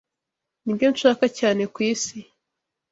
Nibyo nshaka cyane kwisi.